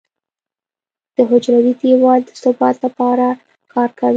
د حجروي دیوال د ثبات لپاره کار کوي.